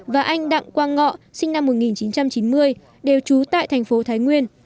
và anh đặng quang ngọ sinh năm một nghìn chín trăm chín mươi đều trú tại thành phố thái nguyên